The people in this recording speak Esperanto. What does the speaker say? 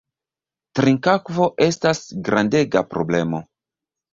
Trinkakvo estas grandega problemo.